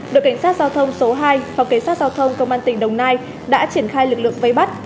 đội kiến sát giao thông số hai và kiến sát giao thông công an tỉnh đồng nai đã triển khai lực lượng vây bắt